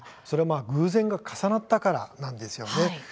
それは偶然が重なったからですよね。